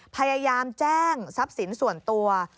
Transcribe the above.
พยายามแจ้งทรัพย์สินส่วนตัว